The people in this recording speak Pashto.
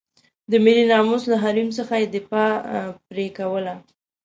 د ملي ناموس له حریم څخه یې دفاع پرې کوله.